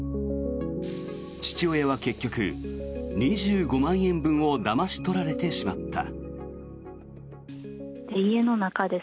父親は結局、２５万円分をだまし取られてしまった。